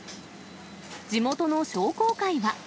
地元の商工会は。